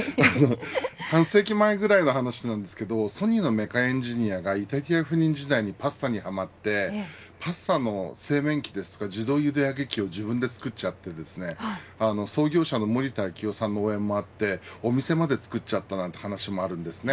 半世紀前ぐらいの話ですがソニーのメカエンジニアがイタリア赴任時代にパスタにはまってパスタの製麺機や自動ゆで上げ機を自分で作って創業者の盛田昭夫さんの応援もあってお店まで作っちゃったという話もあります。